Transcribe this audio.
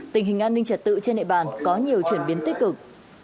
tình hình an ninh trật tự trên địa bàn có nhiều chuyển biến tích cực